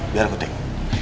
biar aku tengok